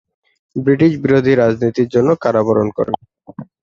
British বিরোধী রাজনীতির জন্য কারাবরণ করেন।